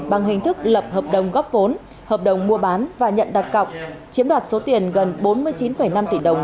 bằng hình thức lập hợp đồng góp vốn hợp đồng mua bán và nhận đặt cọc chiếm đoạt số tiền gần bốn mươi chín năm tỷ đồng